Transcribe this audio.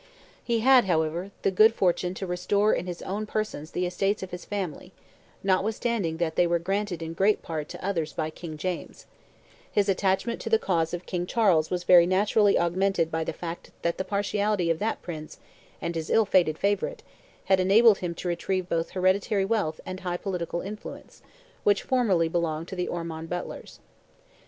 He had, however, the good fortune to restore in his own person the estates of his family, notwithstanding that they were granted in great part to others by King James; his attachment to the cause of King Charles was very naturally augmented by the fact that the partiality of that Prince and his ill fated favourite had enabled him to retrieve both the hereditary wealth and the high political influence which formerly belonged to the Ormond Butlers.